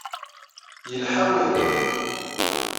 Yelḥa wayen.